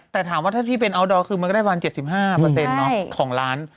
แต่ถามว่าถ้าพี่เป็นอาว์ดอร์คือเราก็ได้บ๓๖ใช่ของร้าน